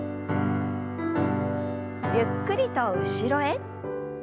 ゆっくりと後ろへ。